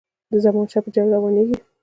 د زمانشاه په جنګ روانیږي.